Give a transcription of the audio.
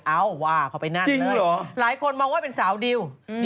เอ้าว่าเขาไปนั่นเลยหลายคนมองว่าเป็นสาวดิวจริงเหรอ